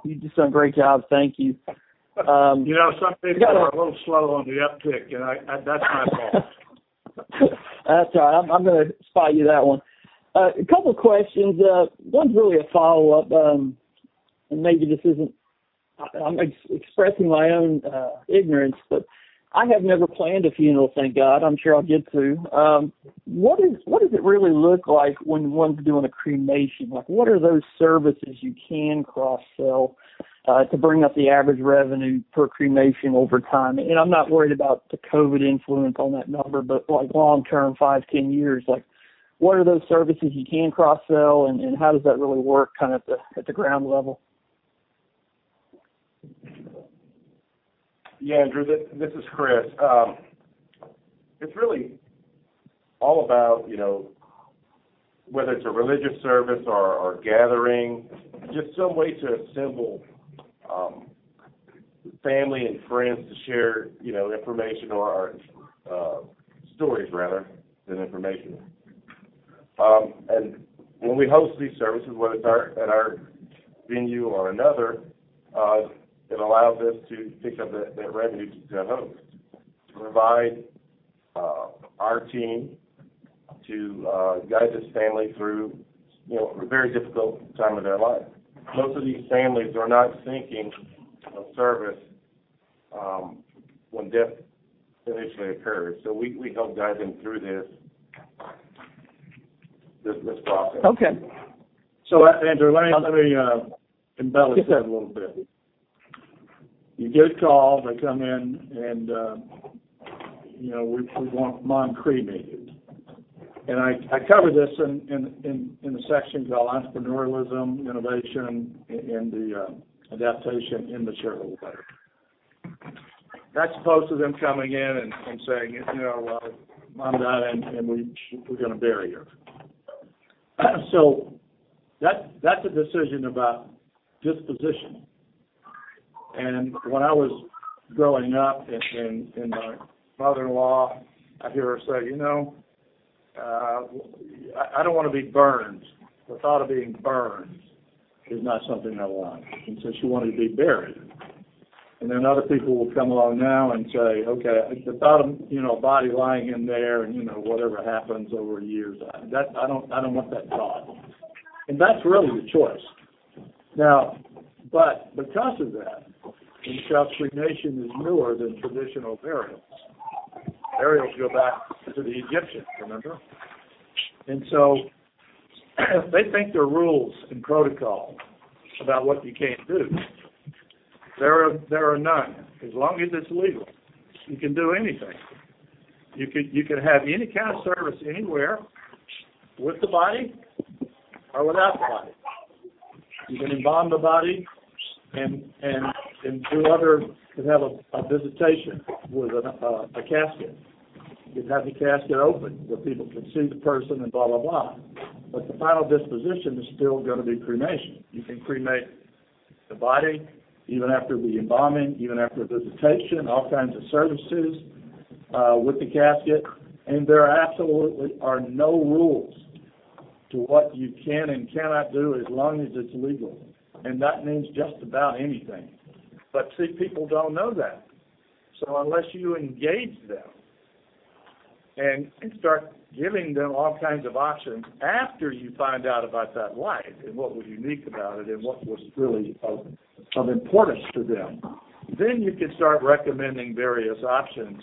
You've just done a great job. Thank you. Some things were a little slow on the uptick, and that's my fault. That's all right. I'm going to spot you that one. A couple of questions. One's really a follow-up. I'm expressing my own ignorance, but I have never planned a funeral, thank God. I'm sure I'll get to. What does it really look like when one's doing a cremation? What are those services you can cross-sell to bring up the average revenue per cremation over time? I'm not worried about the COVID influence on that number, but long-term, five, 10 years, what are those services you can cross-sell, and how does that really work at the ground level? Andrew, this is Chris. It's really all about, whether it's a religious service or a gathering, just some way to assemble family and friends to share information, or stories rather than information. When we host these services, whether it's at our venue or another, it allows us to pick up that revenue to host, to provide our team to guide this family through a very difficult time of their life. Most of these families are not thinking of service when death initially occurs. We help guide them through this process. Okay. Andrew, let me embellish that a little bit. You get a call, they come in, and we want Mom cremated. I cover this in a section called Entrepreneurialism, Innovation, and the Adaptation in the material later. That's opposed to them coming in and saying, "Well, Mom died, and we're going to bury her." That's a decision about disposition. When I was growing up, and my mother-in-law, I'd hear her say, "You know, I don't want to be burned. The thought of being burned is not something I want." She wanted to be buried. Other people will come along now and say, "Okay, the thought of a body lying in there, and whatever happens over years, I don't want that thought." That's really the choice. Because of that, and because cremation is newer than traditional burials. Burials go back to the Egyptians, remember? They think there are rules and protocol about what you can't do. There are none. As long as it's legal, you can do anything. You could have any kind of service anywhere with the body or without the body. You can embalm the body and have a visitation with a casket. You could have the casket open where people can see the person and blah, blah. The final disposition is still going to be cremation. You can cremate the body even after the embalming, even after a visitation, all kinds of services, with the casket, and there absolutely are no rules to what you can and cannot do as long as it's legal, and that means just about anything. See, people don't know that. Unless you engage them and start giving them all kinds of options after you find out about that life and what was unique about it and what was really of importance to them, then you can start recommending various options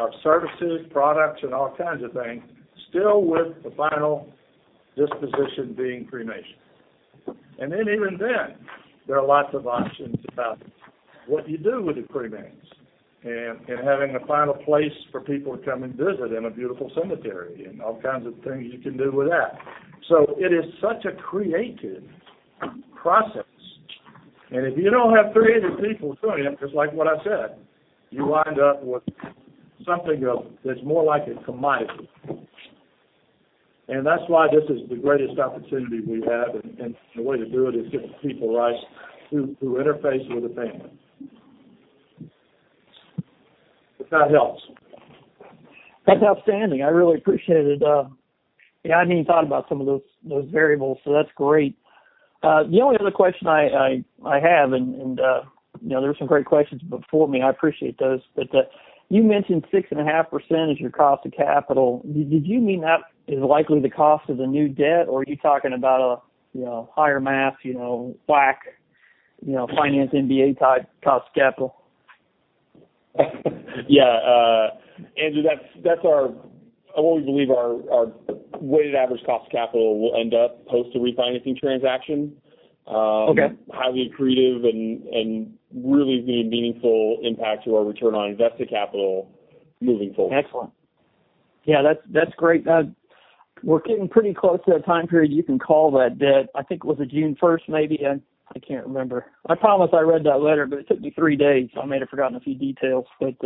of services, products, and all kinds of things, still with the final disposition being cremation. Even then, there are lots of options about what you do with the cremains, and having a final place for people to come and visit in a beautiful cemetery, and all kinds of things you can do with that. It is such a creative process, and if you don't have creative people doing it, just like what I said, you wind up with something that's more like a commodity. That's why this is the greatest opportunity we have, and the way to do it is giving people license to interface with the family. If that helps. That's outstanding. I really appreciate it. Yeah, I need to thought about some of those variables, so that's great. The only other question I have, and there were some great questions before me, I appreciate those. You mentioned 6.5% as your cost of capital. Did you mean that is likely the cost of the new debt, or are you talking about a higher math, WACC, finance MBA-type cost of capital? Yeah. Andrew, that's what we believe our weighted average cost of capital will end up post the refinancing transaction. Okay. Highly accretive and really be a meaningful impact to our return on invested capital moving forward. Excellent. Yeah, that's great. We're getting pretty close to that time period you can call that debt. I think it was June 1st, maybe. I can't remember. I promise I read that letter, but it took me three days, so I may have forgotten a few details. Hey,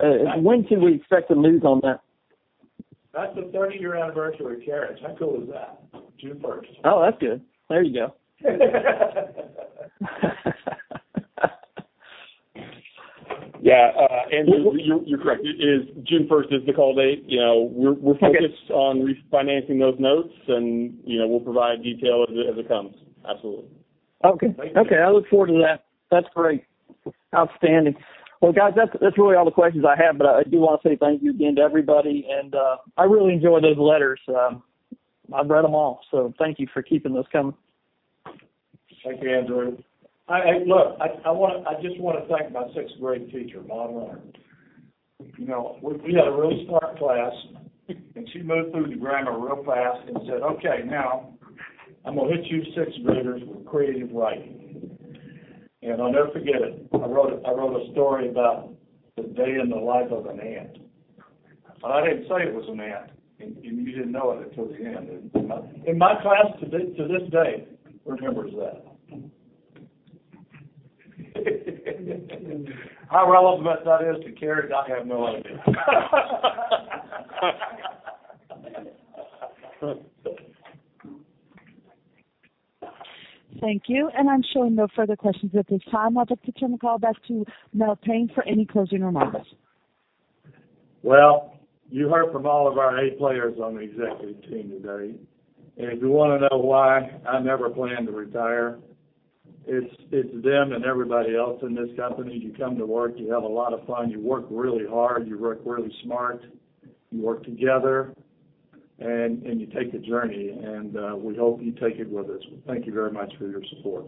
I- When can we expect to lose on that? That's the 30-year anniversary of Carriage. How cool is that? June 1st. Oh, that's good. There you go. Yeah. Andrew, you're correct. June 1st is the call date. Okay focused on refinancing those notes, and we'll provide detail as it comes. Absolutely. Okay. I look forward to that. That's great. Outstanding. Well, guys, that's really all the questions I have. I do want to say thank you again to everybody. I really enjoy those letters. I've read them all. Thank you for keeping those coming. Thank you, Andrew. Hey, look, I just want to thank my sixth-grade teacher, [Barb Leonard]. We had a really smart class, and she moved through the grammar real fast and said, "Okay, now, I'm going to hit you sixth graders with creative writing." I'll never forget it. I wrote a story about the day in the life of an ant. I didn't say it was an ant, and you didn't know it until the end. My class, to this day, remembers that. How relevant that is to Carriage, I have no idea. Thank you. I'm showing no further questions at this time. I'd like to turn the call back to Mel Payne for any closing remarks. Well, you heard from all of our A players on the executive team today. If you want to know why I never plan to retire, it's them and everybody else in this company. You come to work, you have a lot of fun. You work really hard. You work really smart. You work together, and you take the journey, and we hope you take it with us. Thank you very much for your support.